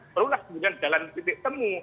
perlu lah kemudian jalan titik temu